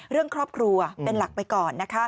เรื่องครอบครัวเป็นหลักไปก่อน